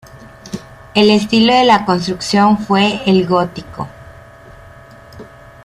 El estilo de la construcción fue el gótico.